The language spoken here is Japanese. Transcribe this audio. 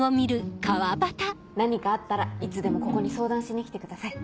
何かあったらいつでもここに相談しに来てください。